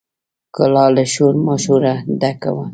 کلا له شور ماشوره ډکه وه.